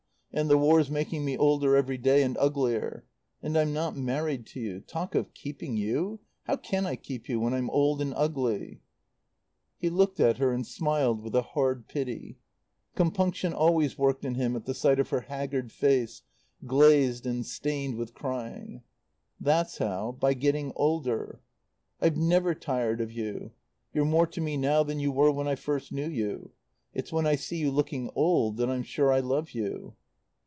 And the War's making me older every day, and uglier. And I'm not married to you. Talk of keeping you! How can I keep you when I'm old and ugly?" He looked at her and smiled with a hard pity. Compunction always worked in him at the sight of her haggard face, glazed and stained with crying. "That's how by getting older. "I've never tired of you. You're more to me now than you were when I first knew you. It's when I see you looking old that I'm sure I love you."